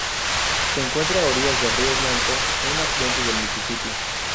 Se encuentra a orillas del río Blanco, un afluente del Misisipi.